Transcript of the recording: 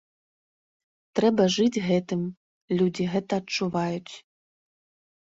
Трэба жыць гэтым, людзі гэта адчуваюць.